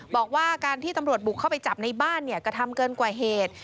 บอกว่าการที่ตำรวจบุกเข้าไปจับในบ้านเนี่ยกระทำเกินกว่าเหตุ